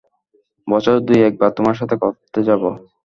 বছরে দুই এক বার তোমার সাথে করতে যাব।